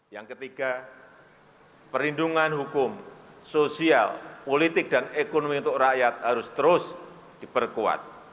yang ketiga perlindungan hukum sosial politik dan ekonomi untuk rakyat harus terus diperkuat